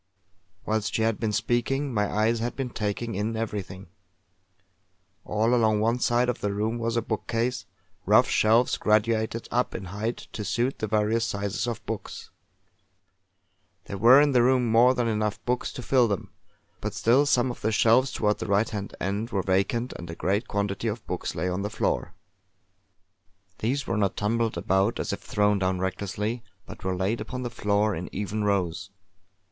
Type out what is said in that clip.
Whilst she had been speaking, my eyes had been taking in everything. All along one side of the room was a bookcase, rough shelves graduated up in height to suit the various sizes of books. There were in the room more than enough books to fill them; but still some of the shelves towards the right hand end were vacant and a great quantity of books lay on the floor. These were not tumbled about as if thrown down recklessly, but were laid upon the floor in even rows.